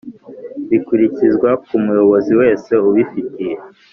bikurikizwa ku muyobozi wese ubifitiye